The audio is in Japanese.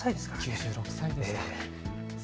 ９６歳ですよ。